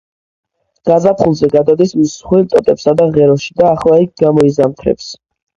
გაზაფხულზე გადადის მსხვილ ტოტებსა და ღეროში და ახლა იქ გამოიზამთრებს.